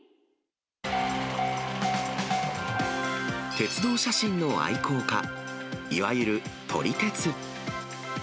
鉄道写真の愛好家、いわゆる撮り鉄。